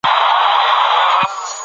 حکومت باید په لویو پروژو کار وکړي.